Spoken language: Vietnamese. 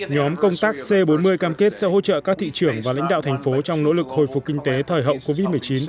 nhóm công tác c bốn mươi cam kết sẽ hỗ trợ các thị trường và lãnh đạo thành phố trong nỗ lực hồi phục kinh tế thời hậu covid một mươi chín